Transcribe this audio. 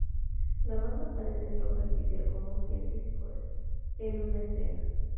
La banda aparece en todo el video como científicos en una escena.